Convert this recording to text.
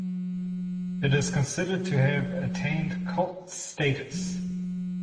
It is considered to have attained cult status.